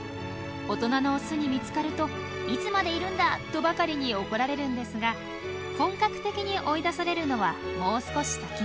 大人のオスに見つかると「いつまでいるんだ！」とばかりに怒られるんですが本格的に追い出されるのはもう少し先のこと。